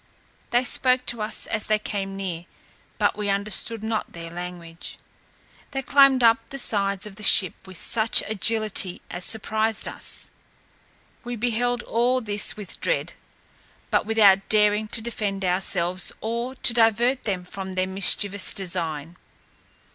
They spoke to us as they came near, but we understood not their language; they climbed up the sides of the ship with such agility as surprised us. We beheld all this with dread, but without daring to defend ourselves, or to divert them from their mischievous design.